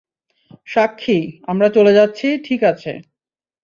সাক্ষী, আমরা চলে যাচ্ছি ঠিক আছে।